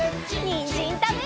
にんじんたべるよ！